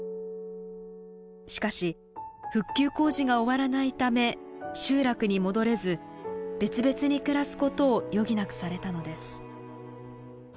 しかし復旧工事が終わらないため集落に戻れず別々に暮らすことを余儀なくされたのです。